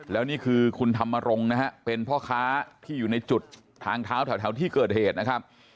แล้วนี่คือคุณธรรมรงค์นะฮะเป็นพ่อค้าที่อยู่ในจุดทางเท้าแถวที่เกิดเหตุนะครับ